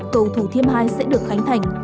cầu thủ thiêm hai sẽ được khánh thành